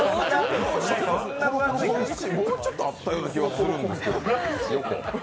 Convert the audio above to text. もうちょっとあったような気がするんですけど。